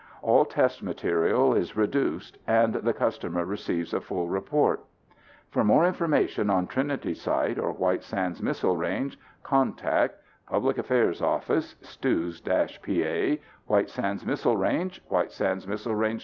All test data is reduced and the customer receives a full report. For more information on Trinity Site or White Sands Missile Range contact: Public Affairs Office (STEWS PA) White Sands Missile Range White Sands Missile Range, N.